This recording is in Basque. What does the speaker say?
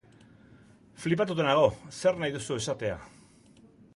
Flipatuta nago, zer nahi duzu esatea.